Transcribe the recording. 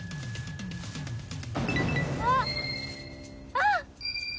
あっ！